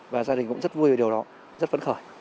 và gia đình cũng rất vui về điều đó rất phấn khởi